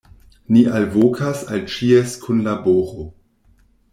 Ni alvokas al ĉies kunlaboro.